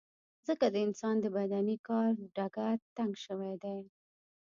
ځکه د انسان د بدني کار ډګر تنګ شوی دی.